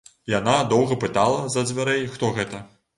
Яна доўга пытала з-за дзвярэй, хто гэта.